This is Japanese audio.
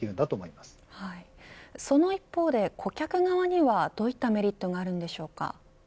その一方で顧客側にはどういったメリットがあるんでしょうか。